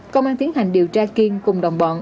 công an tiến hành điều tra kiên cùng đồng bọn